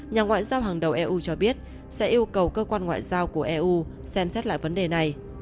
nhà ngoại giao hàng đầu eu cho biết sẽ yêu cầu cơ quan ngoại giao của eu xem xét lại vấn đề này